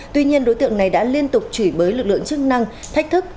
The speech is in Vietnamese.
tuy nhiên đối tượng này đã liên tục chửi bới lực lượng chức năng thách thức